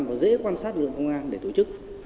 và dễ quan sát được công an để tổ chức